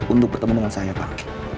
untuk bertemu dengan saya pak